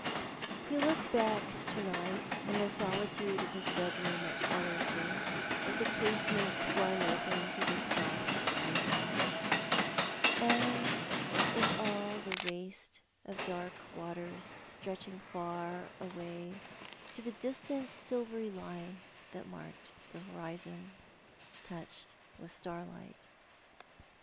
He looked back to night in the solitude of his bedroom at Ellerslie, with the casements flung open to the soft spring night, and with all the waste of dark waters stretching far away to the distant silvery line that marked the horizon, touched with starlight.